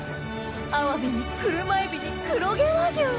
アワビに車エビに黒毛和牛！